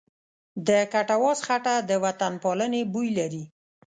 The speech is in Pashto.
د کټواز خټه د وطنپالنې بوی لري.